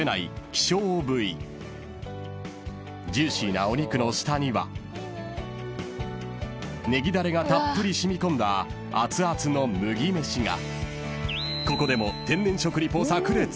［ジューシーなお肉の下にはネギだれがたっぷり染みこんだ熱々の麦飯が］